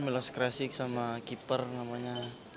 milos kresik sama keeper namanya